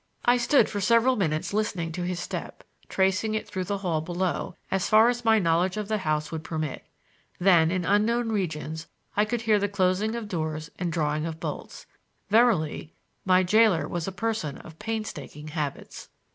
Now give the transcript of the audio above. I stood for several minutes listening to his step, tracing it through the hall below—as far as my knowledge of the house would permit. Then, in unknown regions, I could hear the closing of doors and drawing of bolts. Verily, my jailer was a person of painstaking habits.